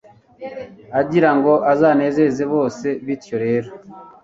agira ngo azanezeze bose. bityo rero